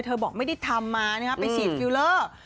เธอบอกไม่ได้ทำมาเนี่ยไปฉีดฟิวเลอร์